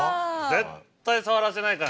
絶対触らせないからね。